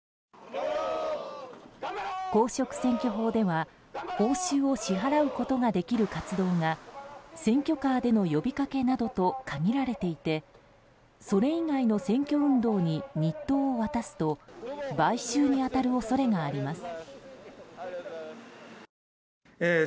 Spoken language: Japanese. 公職選挙法では報酬を支払うことができる活動が選挙カーでの呼びかけなどと限られていてそれ以外の選挙運動に日当を渡すと買収に当たる恐れがあります。